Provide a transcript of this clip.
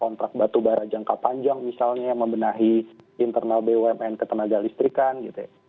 kontrak batu bara jangka panjang misalnya membenahi internal bumn ketenaga listrikan gitu ya